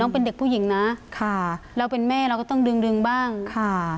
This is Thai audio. เป็นเด็กผู้หญิงนะค่ะเราเป็นแม่เราก็ต้องดึงบ้างค่ะ